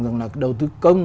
rằng là đầu tư công